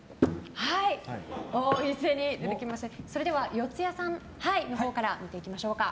四谷さんのほうから見ていきましょうか。